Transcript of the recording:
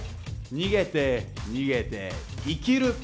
逃げて逃げて生きる！